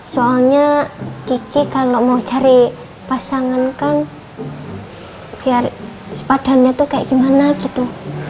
soalnya kici kalau mau cari pasangan kan biar sepadannya tuh kayak gimana gitu